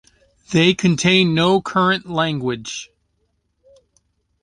They contain no current language.